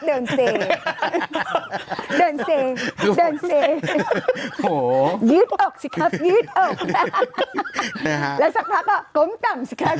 เดินเสร็จยืดออกสิครับยืดออกและสักพักก็ก้มต่ำสิครับ